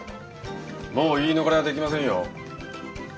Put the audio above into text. もう言い逃れはできませんよ。